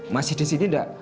masih di sini atau tidak